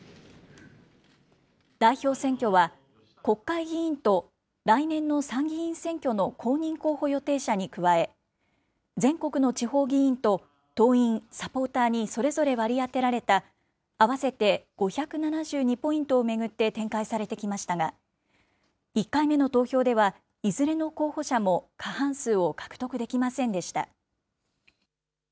代表選挙は、国会議員と来年の参議院選挙の公認候補予定者に加え、全国の地方議員と党員・サポーターにそれぞれ割り当てられた、合わせて５７２ポイントを巡って展開されてきましたが、１回目の投票ではいずれの候補者も過半数を獲得できませんでした。